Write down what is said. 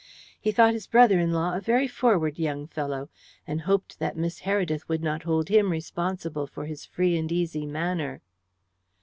He thought his brother in law a very forward young fellow, and hoped that Miss Heredith would not hold him responsible for his free and easy manner.